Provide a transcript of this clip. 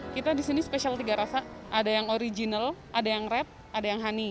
kita disini spesial tiga rasa ada yang original ada yang red ada yang honey